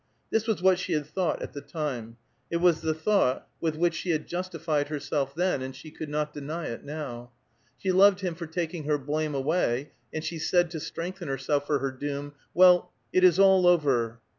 This was what she had thought at the time; it was the thought with which she had justified herself then, and she could not deny it now. She loved him for taking her blame away, and she said to strengthen herself for her doom, "Well, it is all over!"